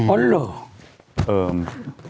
เพราะพี่มาสาย